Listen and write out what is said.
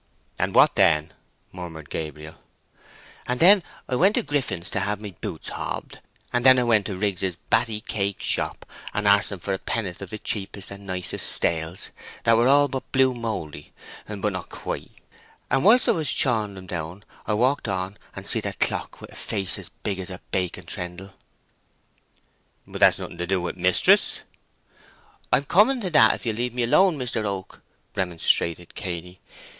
"And what then?" murmured Gabriel. "And then I went into Griffin's to hae my boots hobbed, and then I went to Riggs's batty cake shop, and asked 'em for a penneth of the cheapest and nicest stales, that were all but blue mouldy, but not quite. And whilst I was chawing 'em down I walked on and seed a clock with a face as big as a baking trendle—" "But that's nothing to do with mistress!" "I'm coming to that, if you'll leave me alone, Mister Oak!" remonstrated Cainy.